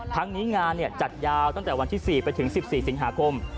ทั้งนี้งานจัดยาวตั้งแต่วันที่๔ไปถึง๑๔สิงหาคม